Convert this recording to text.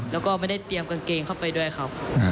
แล้วก็ไม่ได้เตรียมกางเกงเข้าไปด้วยครับ